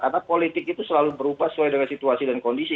karena politik itu selalu berubah sesuai dengan situasi dan kondisi